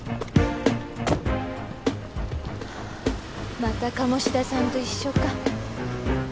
また鴨志田さんと一緒か。